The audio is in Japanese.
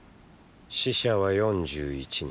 死者は４１人。